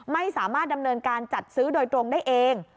ไม่สามารถดำเนินการจัดซื้อโดยตรงได้เอง